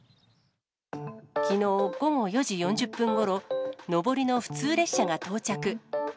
きのう午後４時４０分ごろ、上りの普通列車が到着。